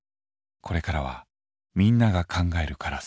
これからはみんなが考えるカラス。